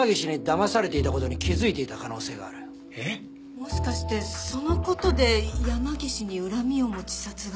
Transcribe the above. もしかしてその事で山岸に恨みを持ち殺害。